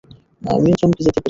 আমিও চমকে যেতে পছন্দ করি।